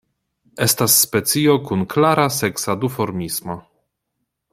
Estas specio kun klara seksa duformismo.